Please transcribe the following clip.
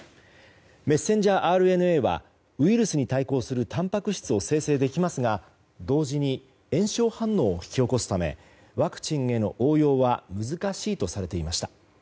メッセンジャーＲＮＡはウイルスに対抗するたんぱく質を生成できますが、同時に炎症反応を引き起こすためワクチンへの応用は難しいとされていました。